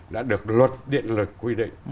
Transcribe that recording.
đã được luật điện lực quy định